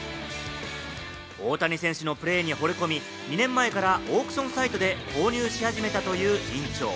大谷選手のプレーに惚れ込み、２年前からオークションサイトで購入し始めたという院長。